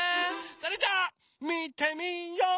それじゃあみてみよう！